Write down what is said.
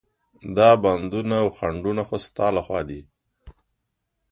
دا بندونه او خنډونه خو ستا له خوا دي.